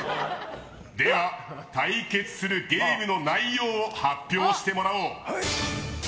では、対決するゲームの内容を発表してもらおう。